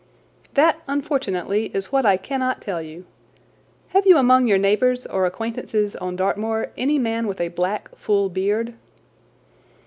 "That, unfortunately, is what I cannot tell you. Have you among your neighbours or acquaintances on Dartmoor any man with a black, full beard?"